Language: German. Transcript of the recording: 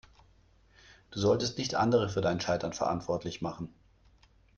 Du solltest nicht andere für dein Scheitern verantwortlich machen.